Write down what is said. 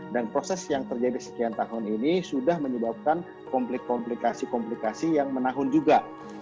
dan proses yang terjadi sekian tahun ini sudah menyebabkan komplikasi komplikasi yang menahun juga